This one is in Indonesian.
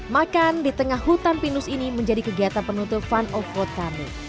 makan di tengah hutan pinus ini menjadi kegiatan penuh tuh fun off road kami